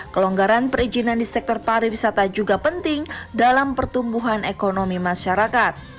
kelonggaran perizinan di sektor pariwisata juga penting dalam pertumbuhan ekonomi masyarakat